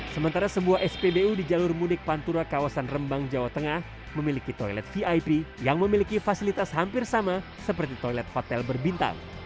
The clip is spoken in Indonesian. sementara sebuah spbu di jalur mudik pantura kawasan rembang jawa tengah memiliki toilet vip yang memiliki fasilitas hampir sama seperti toilet hotel berbintang